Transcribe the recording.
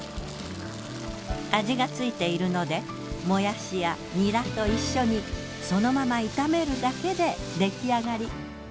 味がついているのでもやしやニラと一緒にそのまま炒めるだけでできあがり。